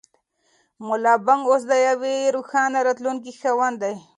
ملا بانګ اوس د یوې روښانه راتلونکې خاوند دی.